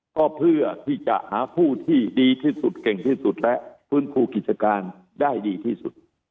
ก็เพื่อที่จะหาผู้ที่ดีที่สุดเก่งที่สุดและฟื้นฟูกิจการได้ดีที่สุด